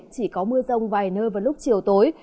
chỉ có mưa rông vài nơi vào lúc chiều tối